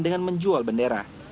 dengan menjual bendera